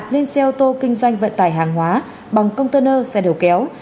lên xe ô tô kinh doanh vận tài hàng hóa bằng container xe đều kéo